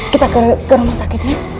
kita ke rumah sakit ya